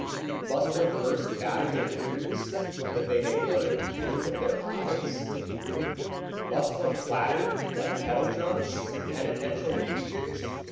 Must one first batter their ears, that they may learn to hear with their eyes? Must one clatter like kettledrums and penitential preachers?